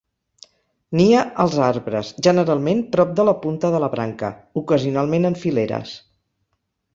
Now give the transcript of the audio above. Nia als arbres, generalment prop de la punta de la branca, ocasionalment en fileres.